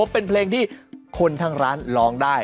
เป็นเพลงที่คนทางร้านร้องได้